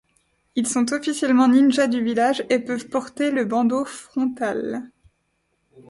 Ils sont officiellement ninjas du village, et peuvent porter le bandeau frontal.